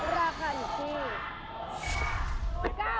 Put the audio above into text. ราคาอยู่ที่